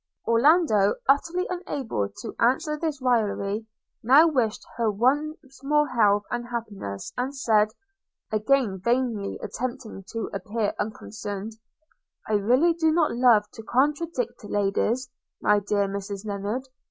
Orlando, utterly unable to answer this raillery, now wished her once more health and happiness; and said (again vainly attempting to appear unconcerned) – 'I really do not love to contradict ladies, my dear Mrs Lennard!